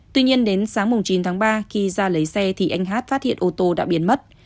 tuy nhiên đến sáng chín tháng ba khi ra lấy xe thì anh hát phát hiện ô tô đã biến mất